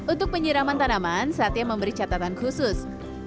untuk penyiraman tanaman satya memberi catatan khusus